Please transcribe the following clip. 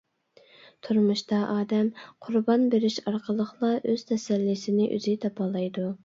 تۇرمۇشتا ئادەم قۇربان بېرىش ئارقىلىقلا ئۆز تەسەللىسىنى، ئۆزىنى تاپالايدۇ.